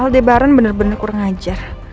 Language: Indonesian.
aldebaran bener bener kurang ajar